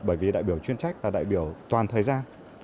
bởi vì đại biểu chuyên trách là đại biểu toàn thời gian